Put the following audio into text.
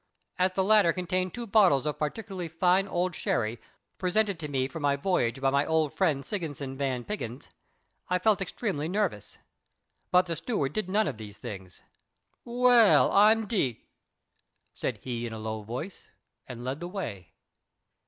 As the latter contained two bottles of particularly fine old sherry presented to me for my voyage by my old friend Snigginson van Pickyns, I felt extremely nervous. But the steward did none of these things. "Well, I'm d d!" said he in a low voice, and led the way.